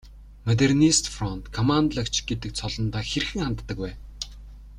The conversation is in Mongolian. Модернист фронт командлагч гэдэг цолондоо хэрхэн ханддаг вэ?